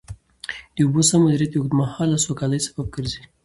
د اوبو سم مدیریت د اوږدمهاله سوکالۍ سبب ګرځي.